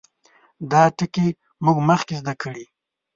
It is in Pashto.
دا ټګي موږ مخکې زده کړې.